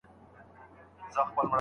هغه تر اوسه د دوو سترگو په تعبير ورک دی